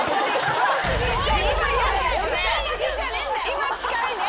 今近いね。